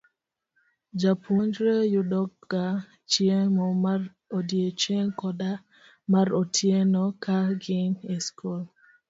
Jopuonjre yudoga chiemo mar odiechieng' koda mar otieno ka gin e skul.